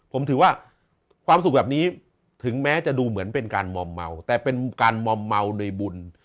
ผมถือว่าความสุขแบบนี้ถึงแม้จะดูเหมือนเป็นการมอมเมาแต่เป็นการมอมเมาในบุญ